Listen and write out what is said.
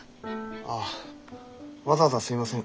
ああわざわざすいません。